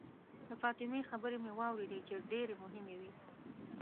د فاطمې خبرې مې واورېدې چې ډېرې مهمې وې.